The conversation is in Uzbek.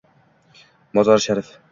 Mozori Sharif